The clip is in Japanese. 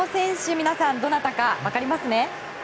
皆さん、どなたか分かりますね？